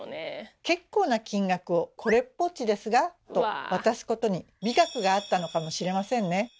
結構な金額を「これっぽっちですが」と渡すことに美学があったのかもしれませんね。